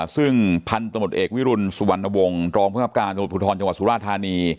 ซึ่งพันธุ์ตำรวจเอกวิรุณสุวรรณวงศ์รองพฤษภาพการณ์สถุทธรณ์จังหวัดสุราธานี